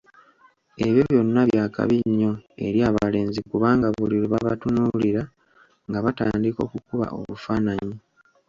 Ebyo byonna byakabi nnyo eri abalenzi kubanga buli lwe babatunuulira nga batandika okukuba obufaananyi.